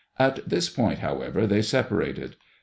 At this point, however, they separated.